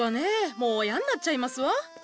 もうやんなっちゃいますわ。